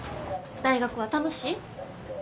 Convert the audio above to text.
大学は楽しい？